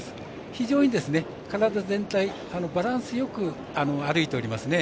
非常に体全体、バランスよく歩いておりますね。